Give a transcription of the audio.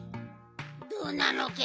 「どうなのけ？」